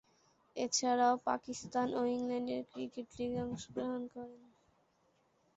এছাড়াও, পাকিস্তান ও ইংল্যান্ডের ক্রিকেট লীগে অংশগ্রহণ করেন।